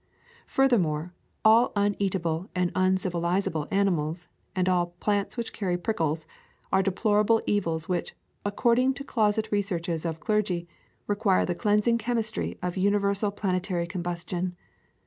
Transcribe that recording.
Furthermore, all uneatable and uncivilizable animals, and all plants which carry prickles, are deplorable evils which, according to closet re searches of clergy, require the cleansing chem istry of universal planetary combustion.